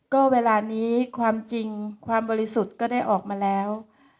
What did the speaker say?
ก็เวลานี้ความจริงความบริสุทธิ์ก็ได้ออกมาแล้ว